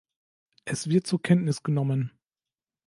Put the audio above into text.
Es wird zur Kenntnis genommen.